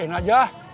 ya enak aja